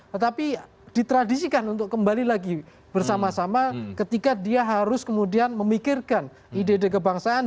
tetapi ditradisikan untuk kembali lagi bersama sama ketika dia harus kemudian memikirkan ide ide kebangsaan